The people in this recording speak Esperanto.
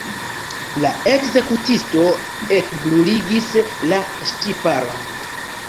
La ekzekutisto ekbruligis la ŝtiparon.